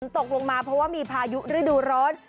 ตกลงมาเพราะว่ามีพายุฤดูร้อน